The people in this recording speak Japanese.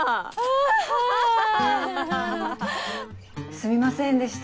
すみませんでした